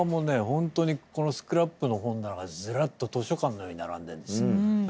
ほんとにこのスクラップの本棚がズラッと図書館のように並んでるんです。